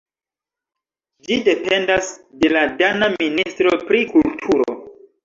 Ĝi dependas de la dana ministro pri kulturo.